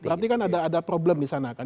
berarti kan ada problem di sana kan